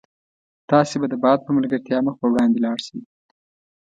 تاسي به د باد په ملګرتیا مخ په وړاندې ولاړ شئ.